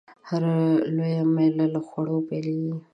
هره لويه میله له خوړو پیلېږي.